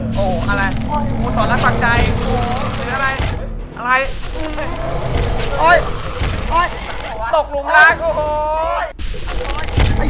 โอ้โหอะไร